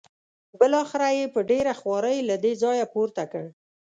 بالاخره یې په ډېره خوارۍ له دې ځایه پورته کړ.